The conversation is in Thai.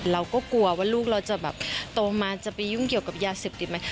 เราก็กลัวว่าลูกเราจะแบบโตมาจะไปยุ่งเกี่ยวกับยาเสพติดไหม